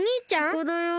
ここだよ。